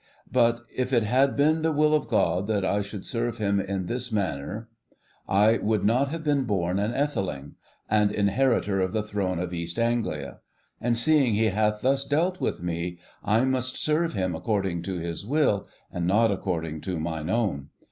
But if it had been the will of God that I should serve Him in this manner, I would not have been born an Ætheling, and inheritor of the throne of East Anglia; and, seeing He hath thus dealt with me, I must serve Him according to His will, and not according to mine own.